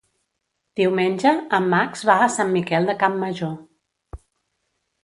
Diumenge en Max va a Sant Miquel de Campmajor.